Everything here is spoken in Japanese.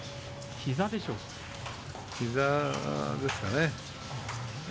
膝ですかね。